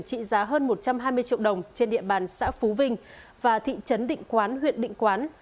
trị giá hơn một trăm hai mươi triệu đồng trên địa bàn xã phú vinh và thị trấn định quán huyện định quán